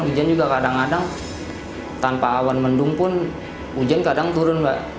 hujan juga kadang kadang tanpa awan mendung pun hujan kadang turun mbak